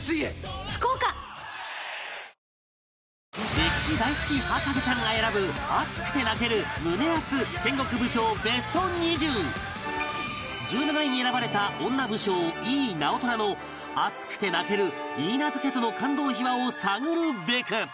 歴史大好き博士ちゃんが選ぶ熱くて泣ける１７位に選ばれた女武将井伊直虎の熱くて泣ける許嫁との感動秘話を探るべく